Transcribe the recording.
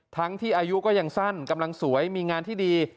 ทั้งที่อายุก็ยังสั้นกำลังสวยมีงานที่ดี